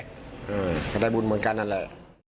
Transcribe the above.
ก็ได้บุญเหมือนกันนั่นแหละ